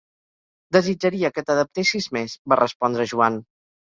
Desitjaria que t'adaptessis més, va respondre Joan.